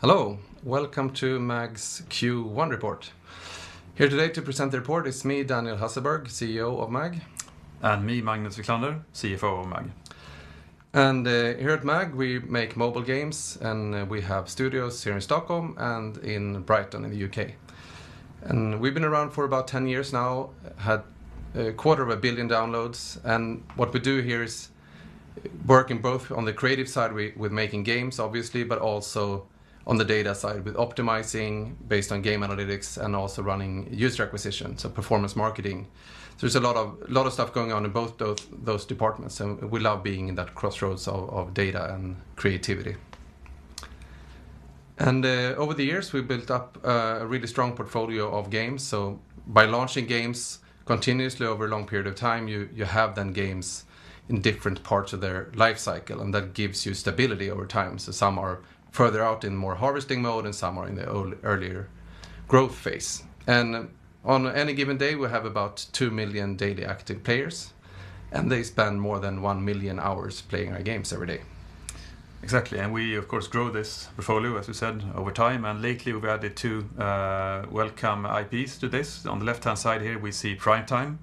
Hello. Welcome to MAG's Q1 report. Here today to present the report is me, Daniel Hasselberg, CEO of MAG. Me, Magnus Wiklander, CFO of MAG. Here at MAG, we make mobile games, and we have studios here in Stockholm and in Brighton in the U.K. We've been around for about 10 years now, had a quarter of a billion downloads, and what we do here is working both on the creative side with making games obviously, but also on the data side with optimizing based on game analytics and also running user acquisition, so performance marketing. There's a lot of stuff going on in both those departments, and we love being in that crossroads of data and creativity. Over the years, we've built up a really strong portfolio of games. By launching games continuously over a long period of time, you have then games in different parts of their life cycle, and that gives you stability over time. Some are further out in more harvesting mode, and some are in the earlier growth phase. On any given day, we have about 2 million daily active players, and they spend more than 1 million hours playing our games every day. Exactly. We of course grow this portfolio, as we said, over time. Lately, we've added two welcome IPs to this. On the left-hand side here, we see Primetime,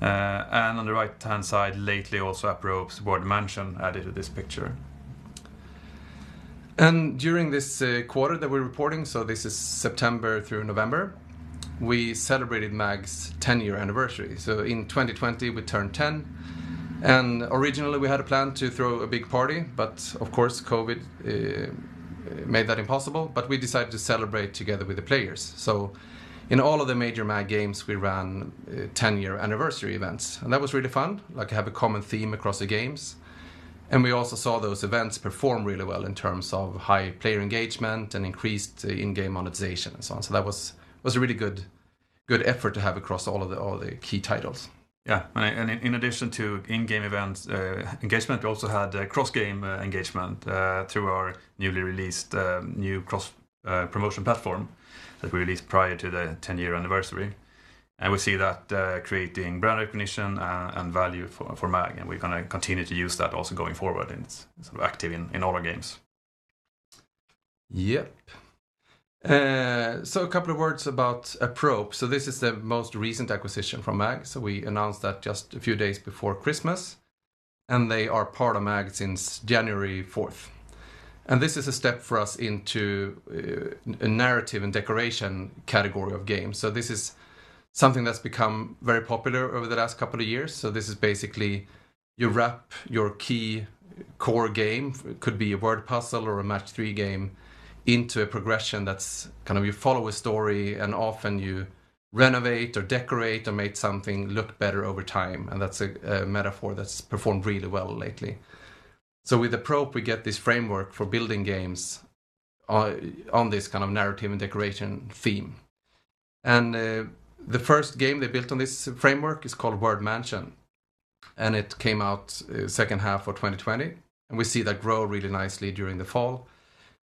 on the right-hand side lately, also Apprope's Word Mansion added to this picture. During this quarter that we're reporting, so this is September through November, we celebrated MAG's 10 year anniversary. In 2020, we turned 10, and originally we had a plan to throw a big party, but of course, COVID made that impossible, but we decided to celebrate together with the players. In all of the major MAG games, we ran 10 year anniversary events, and that was really fun, like have a common theme across the games. We also saw those events perform really well in terms of high player engagement and increased in-game monetization and so on. That was a really good effort to have across all of the key titles. Yeah. In addition to in-game events engagement, we also had cross-game engagement through our newly released new cross-promotion platform that we released prior to the 10 year anniversary. We see that creating brand recognition and value for MAG, and we're going to continue to use that also going forward, and it's sort of active in all our games. Yep. A couple of words about Apprope. This is the most recent acquisition from MAG. We announced that just a few days before Christmas, and they are part of MAG since January 4th. This is a step for us into a narrative and decoration category of games. This is something that's become very popular over the last couple of years. This is basically you wrap your key core game, it could be a word puzzle or a match three game, into a progression that's kind of you follow a story and often you renovate or decorate or make something look better over time, and that's a metaphor that's performed really well lately. With Apprope, we get this framework for building games on this kind of narrative and decoration theme. The first game they built on this framework is called Word Mansion, and it came out second half of 2020, and we see that grow really nicely during the fall,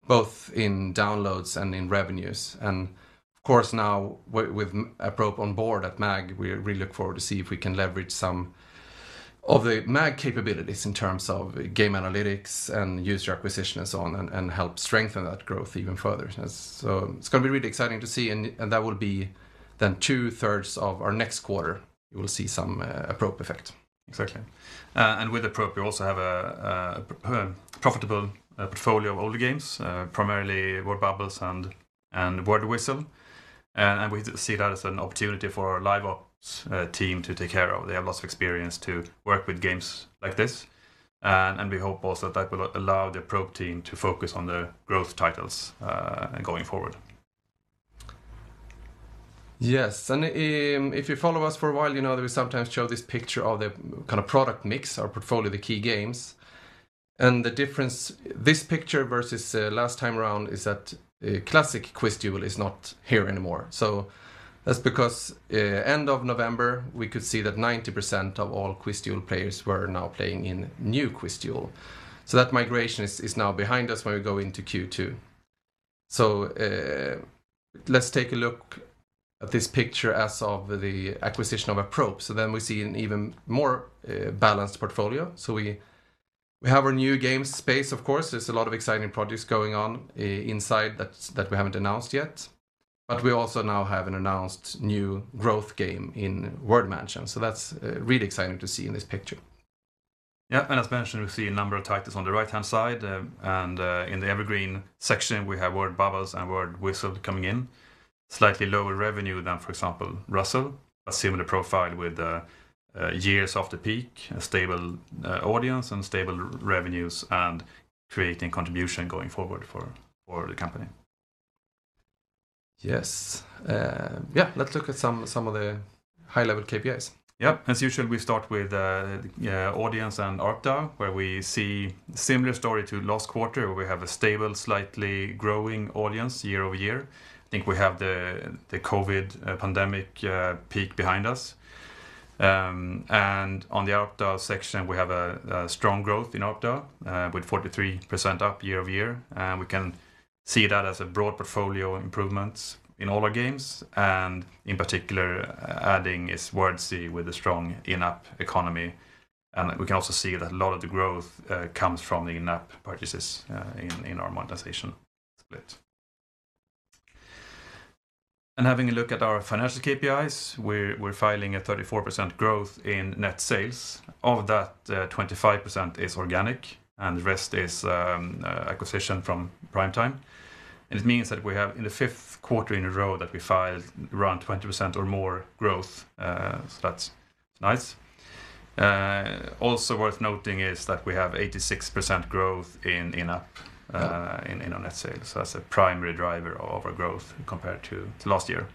both in downloads and in revenues. Of course, now with Apprope on board at MAG, we really look forward to see if we can leverage some of the MAG capabilities in terms of game analytics and user acquisition and so on, and help strengthen that growth even further. It's going to be really exciting to see, and that will be then two-thirds of our next quarter you will see some Apprope effect. Exactly. With Apprope, we also have a profitable portfolio of older games, primarily Word Bubbles and WordWhizzle. We see that as an opportunity for our live ops team to take care of. They have lots of experience to work with games like this, and we hope also that will allow the Apprope team to focus on the growth titles going forward. Yes. If you follow us for a while, you know that we sometimes show this picture of the kind of product mix, our portfolio, the key games, and the difference this picture versus last time around is that classic QuizDuel is not here anymore. That's because end of November, we could see that 90% of all QuizDuel players were now playing in New QuizDuel. That migration is now behind us when we go into Q2. Let's take a look at this picture as of the acquisition of Apprope. We see an even more balanced portfolio. We have our new game space, of course. There's a lot of exciting projects going on inside that we haven't announced yet. We also now have an announced new growth game in Word Mansion, so that's really exciting to see in this picture. Yeah. As mentioned, we see a number of titles on the right-hand side, and in the evergreen section, we have Word Bubbles and WordWhizzle coming in. Slightly lower revenue than, for example, Ruzzle, a similar profile with years after peak, a stable audience, and stable revenues, and creating contribution going forward for the company. Yes. Yeah. Let's look at some of the high-level KPIs. Yep. As usual, we start with audience and ARPDAU, where we see similar story to last quarter where we have a stable, slightly growing audience year-over-year. I think we have the COVID pandemic peak behind us. On the ARPDAU section, we have a strong growth in ARPDAU with 43% up year-over-year. We can see that as a broad portfolio improvements in all our games, and in particular adding is Wordzee with a strong in-app economy. We can also see that a lot of the growth comes from the in-app purchases in our monetization split. Having a look at our financial KPIs, we're filing a 34% growth in net sales. Of that, 25% is organic, and the rest is acquisition from Primetime. It means that we have, in the fifth quarter in a row, that we filed around 20% or more growth. That's nice. Also worth noting is that we have 86% growth in in-app in our net sales as a primary driver of our growth compared to last year.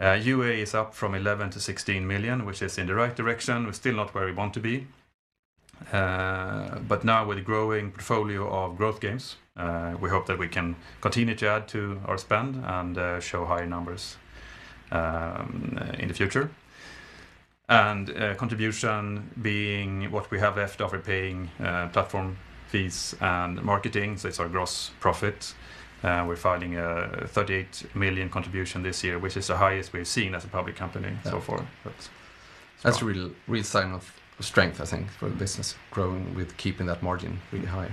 UA is up from 11 million-16 million, which is in the right direction. We're still not where we want to be. Now with the growing portfolio of growth games, we hope that we can continue to add to our spend and show higher numbers in the future. Contribution being what we have left over paying platform fees and marketing, so it's our gross profit. We're filing a 38 million contribution this year, which is the highest we've seen as a public company so far. That's a real sign of strength, I think, for the business growing with keeping that margin really high.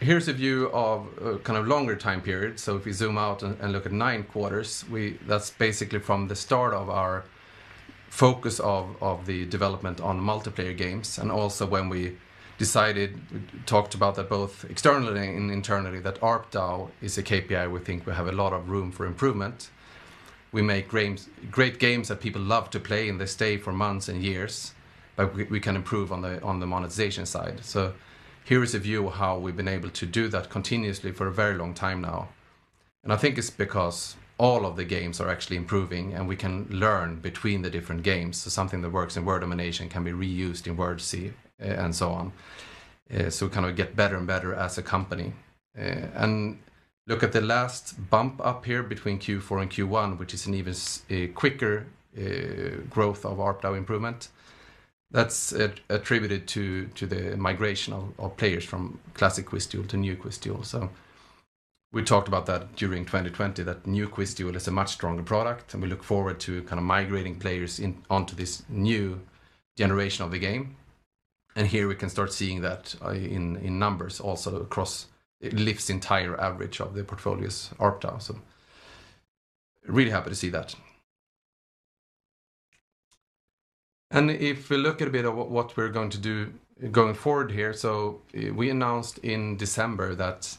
Here's a view of a longer time period. If we zoom out and look at nine quarters, that's basically from the start of our focus of the development on multiplayer games, and also when we decided, talked about that both externally and internally, that ARPDAU is a KPI we think we have a lot of room for improvement. We make great games that people love to play, and they stay for months and years, but we can improve on the monetization side. Here is a view of how we've been able to do that continuously for a very long time now. I think it's because all of the games are actually improving, and we can learn between the different games. Something that works in Word Domination can be reused in Wordzee, and so on. We get better and better as a company. Look at the last bump up here between Q4 and Q1, which is an even quicker growth of ARPDAU improvement. That's attributed to the migration of players from classic QuizDuel to New QuizDuel. We talked about that during 2020, that New QuizDuel is a much stronger product, and we look forward to migrating players onto this new generation of the game. Here we can start seeing that in numbers also. It lifts the entire average of the portfolio's ARPDAU. Really happy to see that. If we look a bit at what we're going to do going forward here, we announced in December that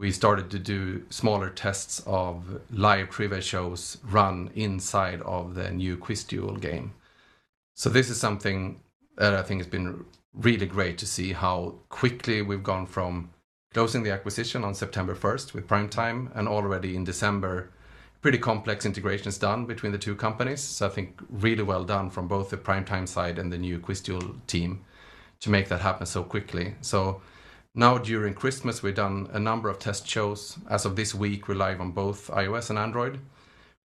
we started to do smaller tests of live trivia shows run inside of the New QuizDuel game. This is something that I think has been really great to see how quickly we've gone from closing the acquisition on September 1st with Primetime, and already in December, pretty complex integration is done between the two companies. I think really well done from both the Primetime side and the new QuizDuel team to make that happen so quickly. Now during Christmas, we've done a number of test shows. As of this week, we're live on both iOS and Android.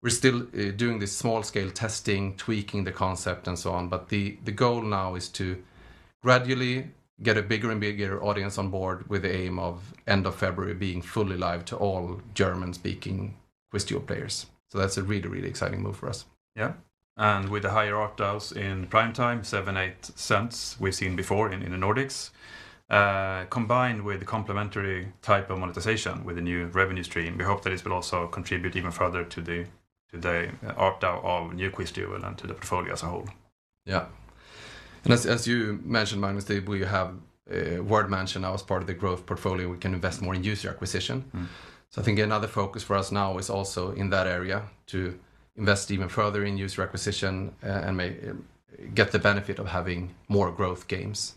We're still doing this small-scale testing, tweaking the concept, and so on. The goal now is to gradually get a bigger and bigger audience on board with the aim of end of February being fully live to all German-speaking QuizDuel players. That's a really exciting move for us. Yeah. With the higher ARPDAUs in Primetime, 0.07, 0.08 we've seen before in the Nordics, combined with the complementary type of monetization with the new revenue stream, we hope that this will also contribute even further to the ARPDAU of New QuizDuel and to the portfolio as a whole. Yeah. As you mentioned, Magnus, we have Word Mansion now as part of the growth portfolio. We can invest more in user acquisition. I think another focus for us now is also in that area, to invest even further in user acquisition, and get the benefit of having more growth games.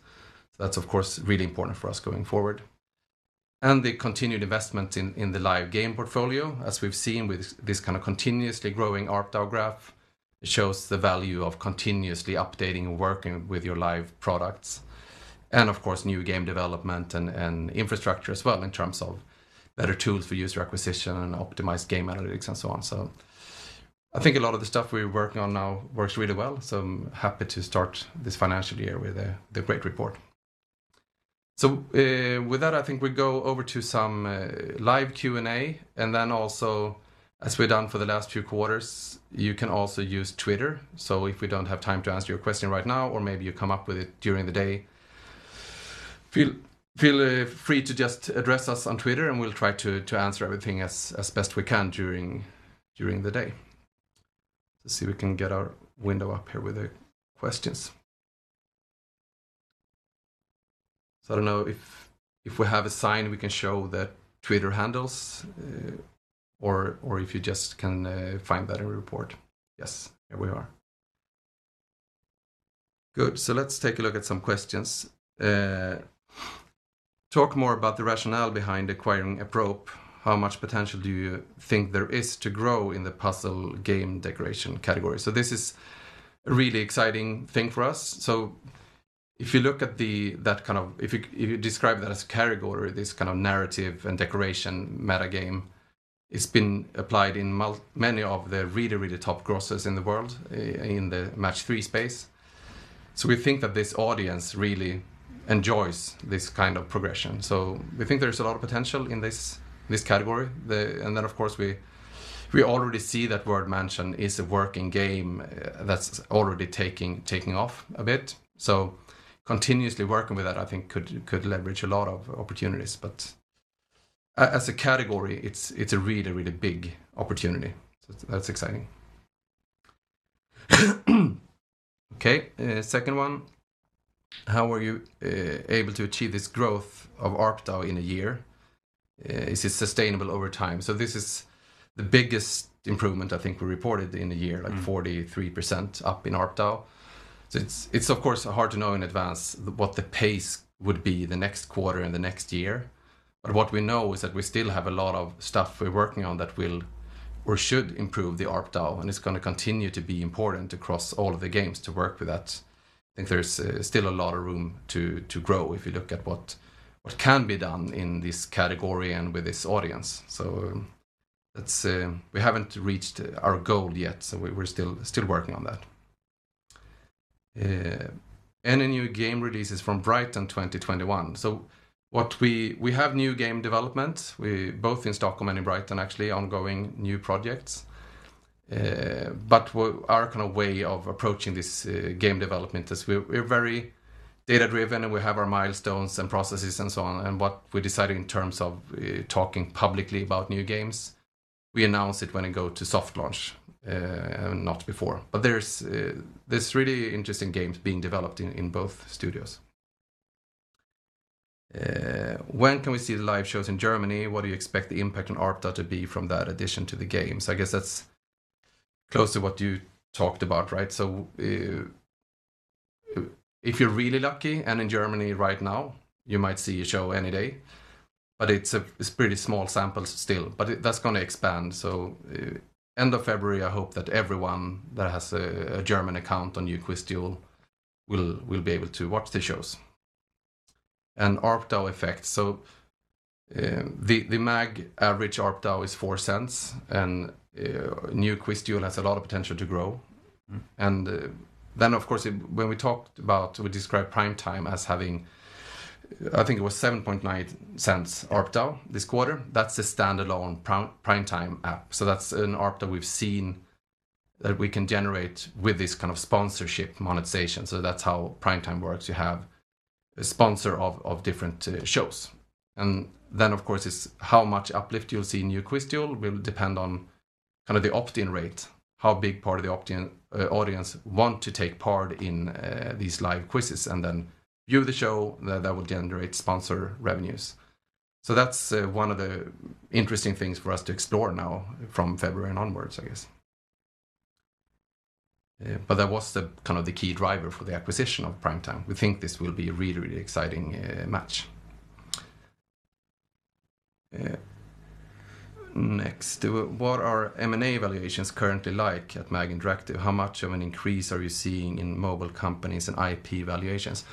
That's of course, really important for us going forward. The continued investment in the live game portfolio, as we've seen with this kind of continuously growing ARPDAU graph. It shows the value of continuously updating and working with your live products, and of course, new game development and infrastructure as well in terms of better tools for user acquisition and optimized game analytics and so on. I think a lot of the stuff we're working on now works really well, so I'm happy to start this financial year with a great report. With that, I think we go over to some live Q&A, and then also as we've done for the last few quarters, you can also use Twitter. If we don't have time to answer your question right now, or maybe you come up with it during the day, feel free to just address us on Twitter, and we'll try to answer everything as best we can during the day. Let's see if we can get our window up here with the questions. I don't know if we have a sign we can show the Twitter handles, or if you just can find that in the report. Yes. Here we are. Good. Let's take a look at some questions. "Talk more about the rationale behind acquiring Apprope. How much potential do you think there is to grow in the puzzle game decoration category? This is a really exciting thing for us. If you describe that as a category, this kind of narrative and decoration meta game, it's been applied in many of the really top grossers in the world in the match-three space. We think that this audience really enjoys this kind of progression. We think there's a lot of potential in this category. Of course, we already see that Word Mansion is a working game that's already taking off a bit. Continuously working with that, I think could leverage a lot of opportunities, but as a category, it's a really, really big opportunity. That's exciting. Okay, second one, how were you able to achieve this growth of ARPDAU in a year? Is it sustainable over time? This is the biggest improvement I think we reported in a year, like 43% up in ARPDAU. It's of course hard to know in advance what the pace would be the next quarter and the next year. What we know is that we still have a lot of stuff we're working on that will or should improve the ARPDAU, and it's going to continue to be important across all of the games to work with that. I think there's still a lot of room to grow if you look at what can be done in this category and with this audience. We haven't reached our goal yet, so we're still working on that. Any new game releases from Brighton 2021? We have new game development, both in Stockholm and in Brighton, actually, ongoing new projects. Our way of approaching this game development is we're very data-driven, and we have our milestones and processes and so on. What we decided in terms of talking publicly about new games, we announce it when it go to soft launch, not before. There's really interesting games being developed in both studios. When can we see the live shows in Germany? What do you expect the impact on ARPDAU to be from that addition to the games? I guess that's close to what you talked about, right? If you're really lucky, and in Germany right now, you might see a show any day, but it's pretty small samples still, but that's going to expand. End of February, I hope that everyone that has a German account on New QuizDuel will be able to watch the shows. ARPDAU effect. The MAG average ARPDAU is 0.04, and New QuizDuel has a lot of potential to grow. When we described Primetime as having, I think it was 0.079 ARPDAU this quarter. That's the standalone Primetime app. That's an ARPDAU we've seen that we can generate with this kind of sponsorship monetization. That's how Primetime works. You have a sponsor of different shows. It's how much uplift you'll see in New QuizDuel will depend on the opt-in rate, how big part of the audience want to take part in these live quizzes, and then view the show that will generate sponsor revenues. That's one of the interesting things for us to explore now from February onwards, I guess. That was the key driver for the acquisition of Primetime. We think this will be a really, really exciting match. Next, what are M&A valuations currently like at MAG Interactive? How much of an increase are you seeing in mobile companies and IP valuations?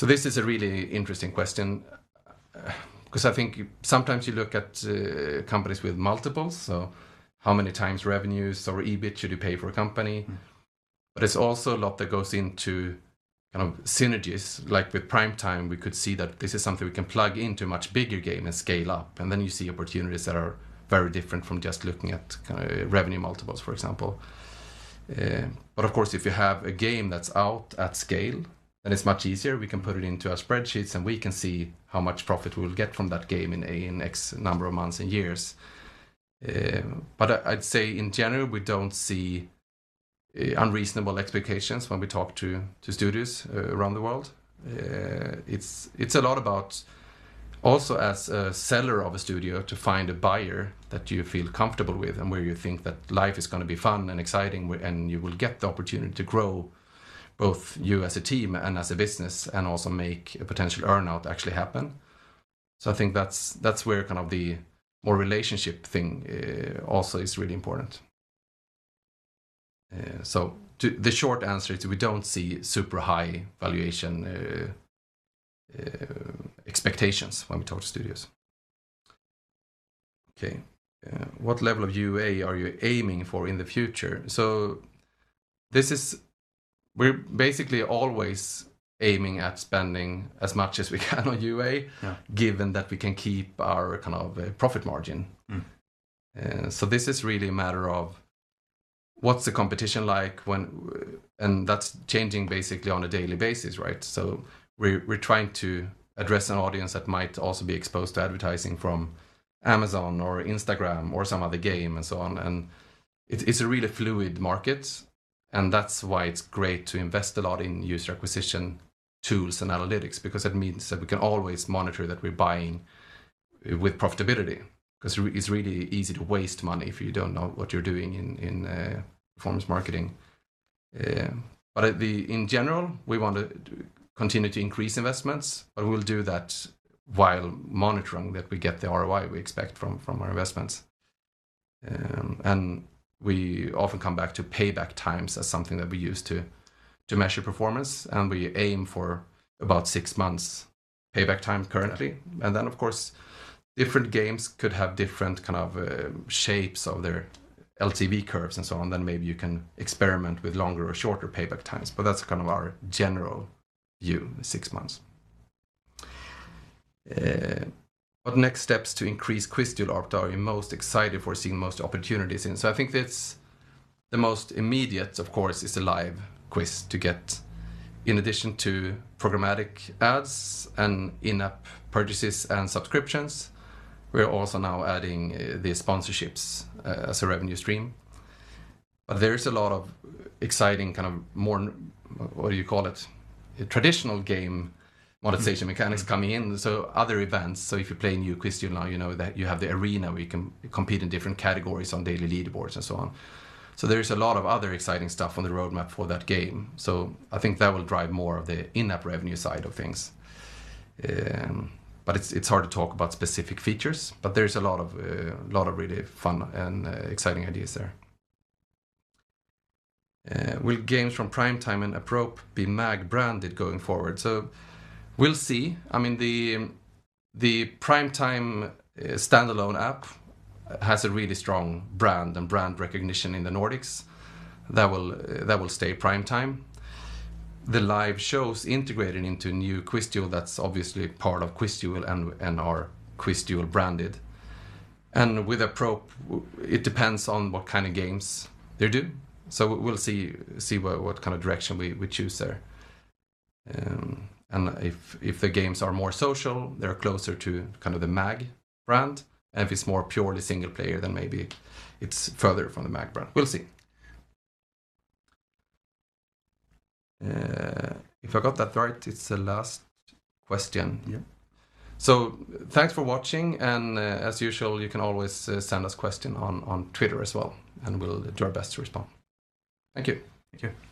This is a really interesting question because I think sometimes you look at companies with multiples, so how many times revenues or EBIT should you pay for a company? There's also a lot that goes into synergies. Like with Primetime, we could see that this is something we can plug into a much bigger game and scale up, and then you see opportunities that are very different from just looking at revenue multiples, for example. Of course, if you have a game that's out at scale, then it's much easier. We can put it into our spreadsheets, and we can see how much profit we'll get from that game in the next number of months and years. I'd say in general, we don't see unreasonable expectations when we talk to studios around the world. It's a lot about also as a seller of a studio to find a buyer that you feel comfortable with and where you think that life is going to be fun and exciting and you will get the opportunity to grow both you as a team and as a business, and also make a potential earn-out actually happen. I think that's where the more relationship thing also is really important. The short answer is we don't see super high valuation expectations when we talk to studios. Okay. What level of UA are you aiming for in the future? We're basically always aiming at spending as much as we can on UA given that we can keep our profit margin. This is really a matter of what's the competition like, and that's changing basically on a daily basis, right? We're trying to address an audience that might also be exposed to advertising from Amazon or Instagram or some other game and so on. It's a really fluid market, and that's why it's great to invest a lot in user acquisition tools and analytics because it means that we can always monitor that we're buying with profitability. Because it's really easy to waste money if you don't know what you're doing in performance marketing. In general, we want to continue to increase investments, but we'll do that while monitoring that we get the ROI we expect from our investments. We often come back to payback times as something that we use to measure performance, and we aim for about six months payback time currently. Of course, different games could have different shapes of their LTV curves and so on. Maybe you can experiment with longer or shorter payback times. That's our general view, six months. What next steps to increase QuizDuel ARPDAU are you most excited for, seeing most opportunities in? I think the most immediate, of course, is the live quiz to get. In addition to programmatic ads and in-app purchases and subscriptions, we're also now adding the sponsorships as a revenue stream. There is a lot of exciting more, what do you call it, traditional game monetization mechanics coming in, so other events. If you play New QuizDuel now, you know that you have the arena where you can compete in different categories on daily leaderboards and so on. There is a lot of other exciting stuff on the roadmap for that game. I think that will drive more of the in-app revenue side of things. It's hard to talk about specific features. There is a lot of really fun and exciting ideas there. "Will games from Primetime and Apprope be MAG branded going forward?" We'll see. The Primetime standalone app has a really strong brand and brand recognition in the Nordics. That will stay Primetime. The live shows integrated into New QuizDuel, that's obviously part of QuizDuel and are QuizDuel branded. With Apprope, it depends on what kind of games they do. We'll see what kind of direction we choose there. If the games are more social, they're closer to the MAG brand, and if it's more purely single player, then maybe it's further from the MAG brand. We'll see. If I got that right, it's the last question. Yeah. Thanks for watching. As usual, you can always send us questions on Twitter as well, and we will do our best to respond. Thank you. Thank you.